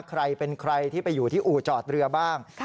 ใครเป็นใครที่ไปอยู่ที่อู่จอดเรือบ้าง